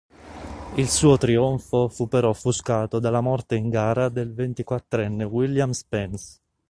Il suo trionfo fu però offuscato dalla morte in gara del ventiquattrenne William Spence.